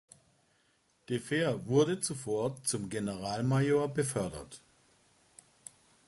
De Veer wurde zuvor zum Generalmajor befördert.